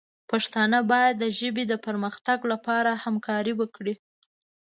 پښتانه باید د ژبې د پرمختګ لپاره همکاري وکړي.